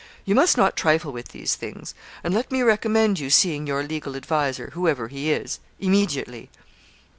You must not trifle with these things. And let me recommend you seeing your legal adviser, whoever he is, immediately.'